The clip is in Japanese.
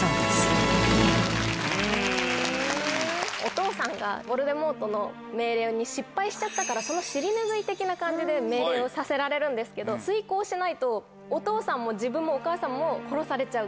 お父さんがヴォルデモートの命令に失敗しちゃったからその尻拭い的な感じで命令をさせられるんですけど遂行しないとお父さんも自分もお母さんも殺されちゃう。